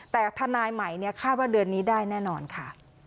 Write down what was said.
แต่ทนายใหม่คาดว่าเดือนนี้ได้แน่นอนค่ะ